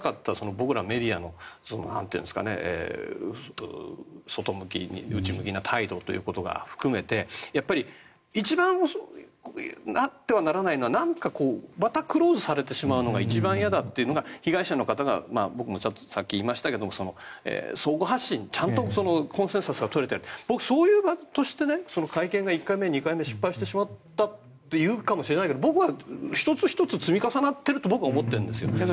僕らメディアの内向きな態度ということを含めて一番あってはならないのはまたクローズされてしまうのが一番嫌だというのが被害者の方が僕もさっき言いましたけど相互発信ちゃんとコンセンサスが取れて僕、そういう場として会見が１回目、２回目失敗してしまったというかもしれないけど僕は１つ１つ積み重なっていると思っているんですよ。